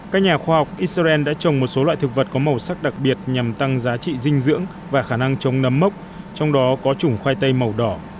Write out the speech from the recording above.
các nhà khoa học israel đã trồng một số loại thực vật có màu sắc đặc biệt nhằm tăng giá trị dinh dưỡng và khả năng chống nấm mốc trong đó có chủng khoai tây màu đỏ